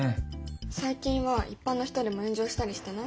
最近は一般の人でも炎上したりしてない？